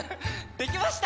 できました！